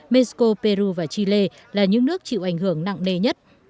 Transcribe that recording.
mexico peru và chile là những nước chịu ảnh hưởng nặng đề nhất